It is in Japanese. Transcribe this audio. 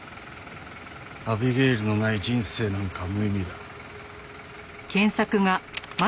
アビゲイルのない人生なんか無意味だ。